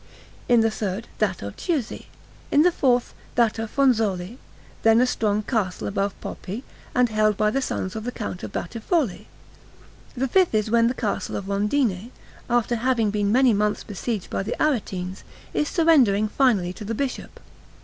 In the third, that of Chiusi. In the fourth, that of Fronzoli, then a strong castle above Poppi, and held by the sons of the Count of Battifolle. The fifth is when the Castle of Rondine, after having been many months besieged by the Aretines, is surrendering finally to the Bishop.